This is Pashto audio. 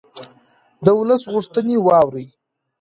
د ولس غوښتنې واورئ